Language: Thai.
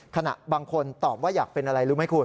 บางคนตอบว่าอยากเป็นอะไรรู้ไหมคุณ